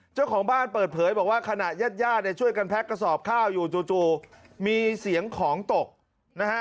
เจ้าของบ้านเปิดเผยบอกว่าขณะญาติญาติเนี่ยช่วยกันแพ็กกระสอบข้าวอยู่จู่มีเสียงของตกนะฮะ